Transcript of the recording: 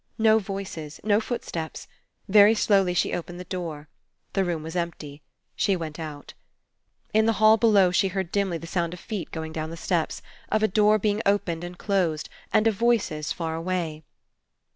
No voices. No footsteps. Very slowly she opened the door. The room was empty. She went out. In the hall below she heard dimly the sound of feet going down the steps, of a door being opened and closed, and of voices far away.